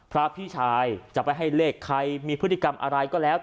พระพี่ชายจะไปให้เลขใครมีพฤติกรรมอะไรก็แล้ว